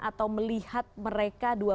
atau melihat mereka